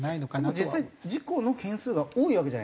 実際事故の件数が多いわけじゃないですか。